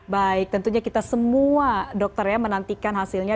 baik tentunya kita semua dokter ya menantikan hasilnya